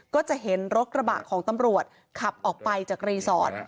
ก็จะเห็นรถกระบะของตำรวจขับออกไปจากรีสอร์ท